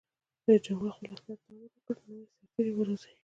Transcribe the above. رئیس جمهور خپلو عسکرو ته امر وکړ؛ نوي سرتېري وروزیئ!